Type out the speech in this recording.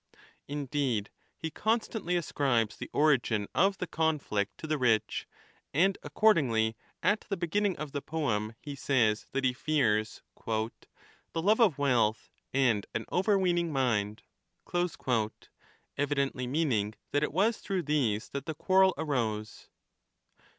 Indeed, he constantly ascribes the origin of the conflict to the rich; and accordingly at the beginning of the poem he says that he fears " the love of wealth and an overweening mind,' evidently meaning that it was through these that the quarrel arose.